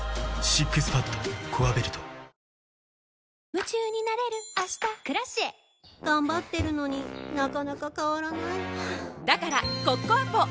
夢中になれる明日「Ｋｒａｃｉｅ」頑張ってるのになかなか変わらないはぁだからコッコアポ！